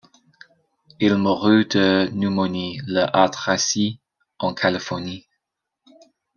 Il mourut de pneumonie le à Tracy, en Californie.